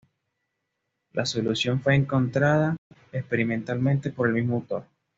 La solución fue encontrada experimentalmente por el mismo autor.